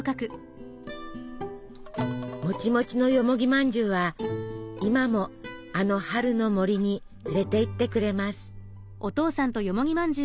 もちもちのよもぎまんじゅうは今もあの春の森に連れていってくれます。